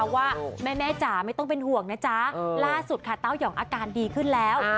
ว่าแม่จ๋าไม่ต้องเป็นห่วงนะจ๊ะล่าสุดค่ะเต้ายองอาการดีขึ้นแล้ว